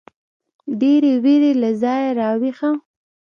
ډېـرې وېـرې له ځايـه راويـښه.